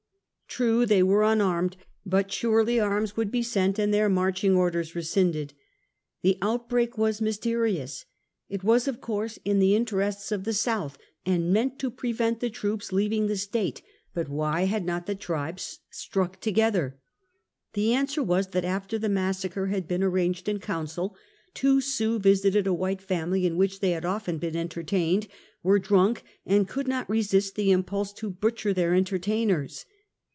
True, they were unarmed, but surely arms would be sent and their marching or ders rescinded. The outbreak was mysterious. It was of course in the interests of the South, and meant to prevent the troops leaving the State; but why had not the tribes struck together? The answer was that after the massacre had been ar ranged in council, two Sioux visited a white family in. which they had often been entertained, were drunk, and could not resist the impulse to butcher their entertain ers.